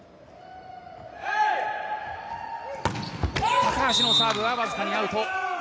高橋のサーブはわずかにアウト。